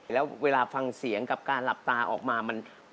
แล้วเวลาฟังเสียงกับการหลับตาออกมามัน